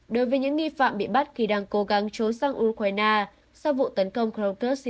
đối với những nghi phạm bị bắt khi đang cố gắng trốn sang ukraine sau vụ tấn công croncus